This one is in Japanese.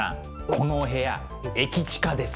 このお部屋駅近です。